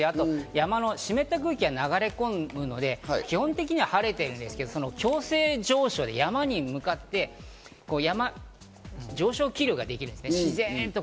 山の湿った空気が流れ込むので基本的には晴れているんですけど、強制上昇で山に向かって上昇気流ができるんです、自然と。